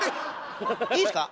いいですか？